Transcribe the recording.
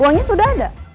uangnya sudah ada